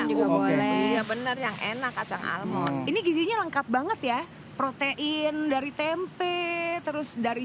juga boleh bener yang enak kacang almon ini gizinya lengkap banget ya protein dari tempe terus dari